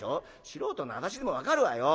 素人の私でも分かるわよ